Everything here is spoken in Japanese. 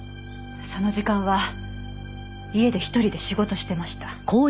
その時間は家で１人で仕事してました。